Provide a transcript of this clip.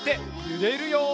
ゆれるよ。